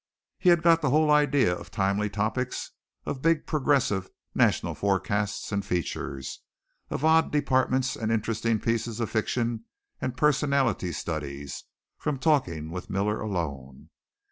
He had got the whole idea of timely topics, of big progressive, national forecasts and features, of odd departments and interesting pieces of fiction and personality studies, from talking with Miller alone.